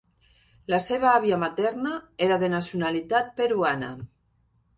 La seva àvia materna era de nacionalitat peruana.